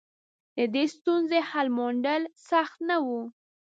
د دې ستونزې حل موندل سخت نه و.